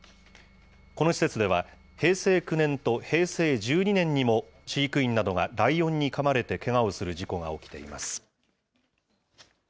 この施設では、平成９年と平成１２年にも、飼育員などがライオンにかまれてけがをする事故が起きています。